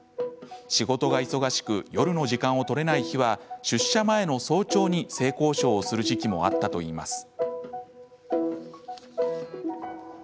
仕事が忙しく夜の時間を取れない日は出社前の早朝に性交渉をする時期もあったといいます。